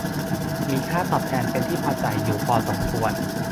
มีค่าตอบแทนเป็นที่พอใจอยู่พอสมควร